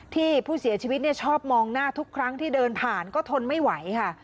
ที่ผู้เสียชีวิตชอบมองหน้าทุกครั้งที่เดินผ่านก็ทนไม่ไหวค่ะ